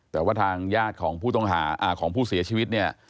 แต่ว่าทางญาติของผู้ต้องหาของผู้เสียชีวิตเนี่ย